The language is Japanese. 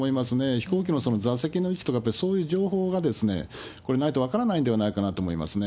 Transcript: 飛行機のその座席の位置とか、やっぱりそういう情報が、これ、ないと分からないんではないかなと思いますね。